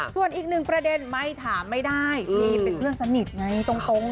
ส่วนอีกหนึ่งประเด็นไม่ถามไม่ได้มีเป็นเพื่อนสนิทไงตรง